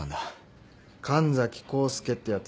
神崎康介ってやつ。